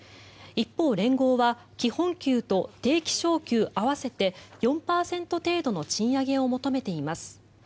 一方、連合は基本給と定期昇給合わせて４％程度の賃上げを求めています。